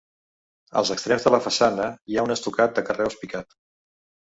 Als extrems de la façana hi ha un estucat de carreus picat.